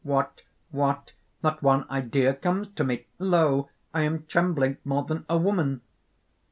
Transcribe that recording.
What! what! not one idea comes to me! Lo! I am trembling more than a woman!"